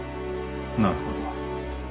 なるほど。